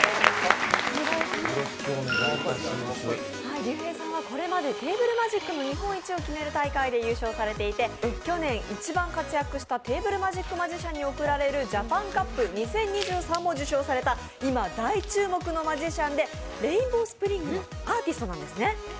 ＲＹＵＨＥＩさんはこれまでテーブルマジック日本一を決める大会で優勝されていて去年、一番活躍したテーブルマジックマジシャンに送られるＪａｐａｎＣｕｐ２０２３を受賞されていて今大注目のマジシャンでレインボースプリングアーティストなんですね。